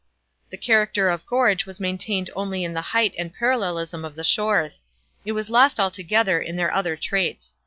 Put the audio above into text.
The character of gorge was maintained only in the height and parallelism of the shores; it was lost altogether in their other traits.